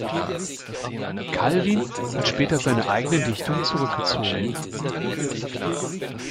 Calvin hat später seine eigenen Dichtungen zurückgezogen.